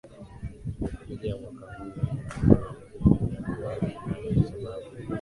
ligi ya mwaka huu unaona kidogo inakuwa na ushindani kwa sababu